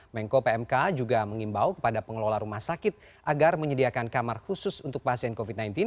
mengko pmk juga mengimbau kepada pengelola rumah sakit agar menyediakan kamar khusus untuk pasien covid sembilan belas